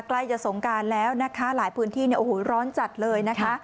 ใกล้จะสงการแล้วนะคะหลายพื้นที่ร้อนจัดเลยนะคะ